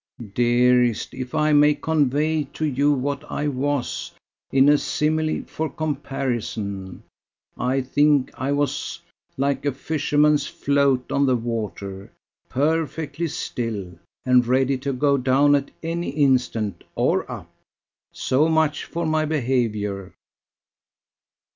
"Dearest, if I may convey to you what I was, in a simile for comparison: I think I was like a fisherman's float on the water, perfectly still, and ready to go down at any instant, or up. So much for my behaviour."